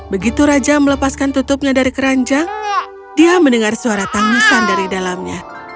begitu raja melepaskan tutupnya dari keranjang dia mendengar suara tangisan dari dalamnya